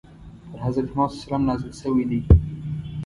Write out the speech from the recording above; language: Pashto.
پر حضرت محمد ﷺ نازل شوی دی.